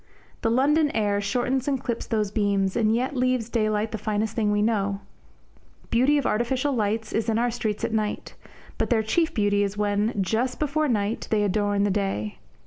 The London air shortens and clips those beams, and yet leaves daylight the finest thing we know. Beauty of artificial lights is in our streets at night, but their chief beauty is when, just before night, they adorn the day.